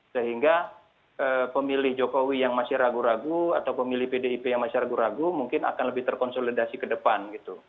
sehingga pemilih jokowi yang masih ragu ragu atau pemilih pdip yang masih ragu ragu mungkin akan lebih terkonsolidasi ke depan gitu